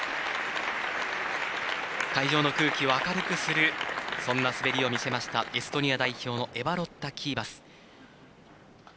会場の空気を明るくするそんな滑りを見せましたエストニア代表のエバロッタ・キーバス。